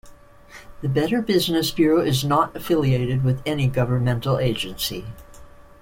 The Better Business Bureau is not affiliated with any governmental agency.